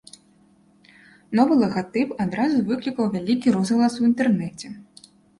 Новы лагатып адразу выклікаў вялікі розгалас у інтэрнэце.